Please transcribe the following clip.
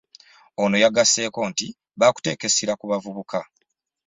Ono yagasseeko nti ba kuteeka essira ku bavubuka